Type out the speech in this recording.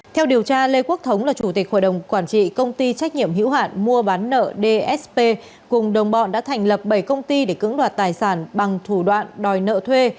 theo điều tra lê quốc thống là chủ tịch hội đồng quản trị công ty trách nhiệm hữu hạn mua bán nợ dsp cùng đồng bọn đã thành lập bảy công ty để cưỡng đoạt tài sản bằng thủ đoạn đòi nợ thuê